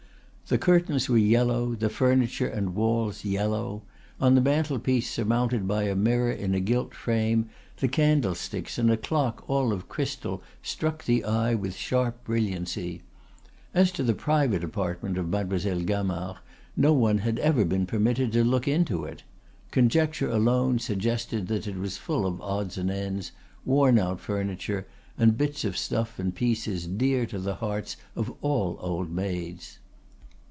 The curtains were yellow, the furniture and walls yellow; on the mantelpiece, surmounted by a mirror in a gilt frame, the candlesticks and a clock all of crystal struck the eye with sharp brilliancy. As to the private apartment of Mademoiselle Gamard, no one had ever been permitted to look into it. Conjecture alone suggested that it was full of odds and ends, worn out furniture, and bits of stuff and pieces dear to the hearts of all old maids.